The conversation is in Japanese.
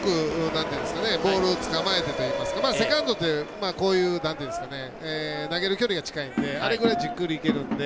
先ほどよりボールをつかまえてというかセカンドってこういう、投げる距離が近いのであれぐらいじっくりいけるので。